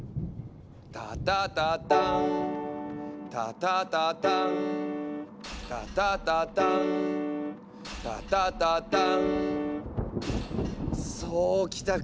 「タタタターン」「タタタターン」「タタタターン」「タタタターン」そうきたか。